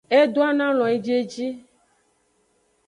E donoalon ejieji.